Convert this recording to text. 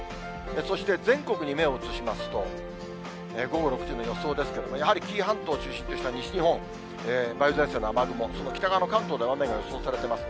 そして全国に目を移しますと、午後６時の予想ですけれども、やはり紀伊半島を中心とした西日本、梅雨前線の雨雲、その北側の関東では雨が予想されています。